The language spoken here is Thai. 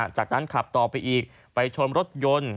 จากนั้นขับต่อไปอีกไปชนรถยนต์